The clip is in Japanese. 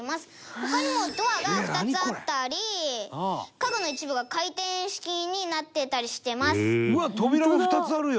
「他にもドアが２つあったり家具の一部が回転式になってたりしてます」